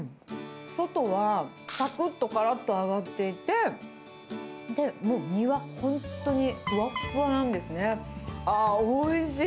外はさくっとからっと揚がっていて、もう身は本当にふわっふわなんですね。